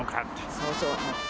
そうそう。